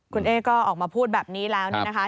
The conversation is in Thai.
คุณเอ๊ก็ออกมาพูดแบบนี้แล้วเนี่ยนะคะ